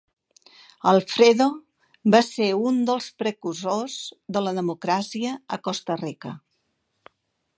Alfredo va ser un dels precursors de la democràcia a Costa Rica.